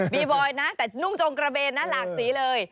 บอยนะแต่นุ่งจงกระเบนนะหลากสีเลย